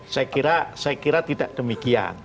saya kira tidak demikian